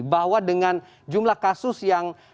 bahwa dengan jumlah kasus yang